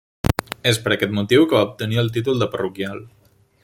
És per aquest motiu que va obtenir el títol de parroquial.